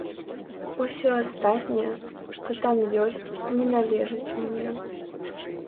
Усё астатняе, што там ёсць, не належыць мне.